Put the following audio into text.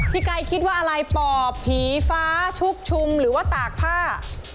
ไกรคิดว่าอะไรปอบผีฟ้าชุกชุมหรือว่าตากผ้า